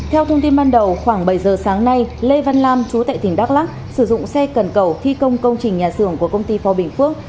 theo thông tin ban đầu khoảng bảy giờ sáng nay lê văn lam chú tại tỉnh đắk lắc sử dụng xe cần cầu thi công công trình nhà xưởng của công ty pho bình phước